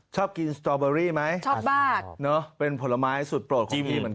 ชอบกินสตรอเบอรี่ไหมเป็นผลไม้สุดโปรดของพี่เหมือนกัน